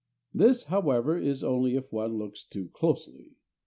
This, however, is only if one looks too closely.